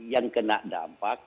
yang kena dampak